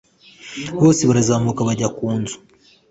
bose barazamuka bajya ku nzu